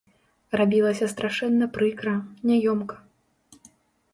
Рабілася страшэнна прыкра, няёмка.